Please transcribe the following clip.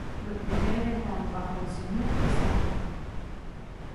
Los primeros están en el bajo Sinú y San Jorge.